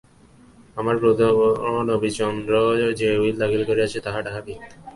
আমার পুত্র নবদ্বীপচন্দ্র যে উইল দাখিল করিয়াছেন তাহা মিথ্যা।